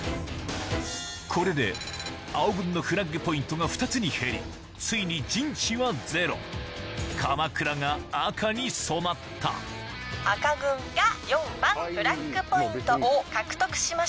これで青軍のフラッグポイントが２つに減りついに陣地はゼロ鎌倉が赤に染まった赤軍が４番フラッグポイントを獲得しました。